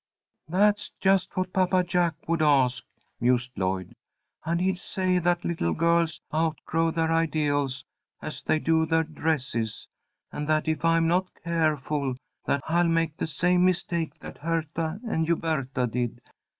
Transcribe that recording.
'" "That is just what Papa Jack would ask," mused Lloyd. "And he'd say that little girls outgrow their ideals as they do their dresses, and that if I'm not careful that I'll make the same mistake that Hertha and Huberta did.